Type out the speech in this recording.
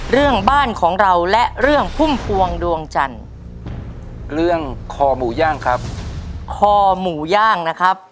เรื่องบ้านของเราและเรื่องพุ่มพวงดวงจันทร์เรื่องคอหมูย่างครับคอหมูย่างนะครับ